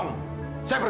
tidak ada foto